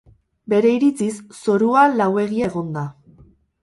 Bere iritziz, zorua lauegia egon da.